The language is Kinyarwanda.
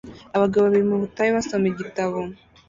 Abagabo babiri mu butayu basoma igitabo